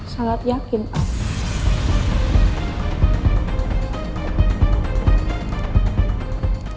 saya yakin pak